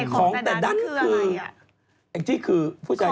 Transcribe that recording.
ของแตะดันคืออะไร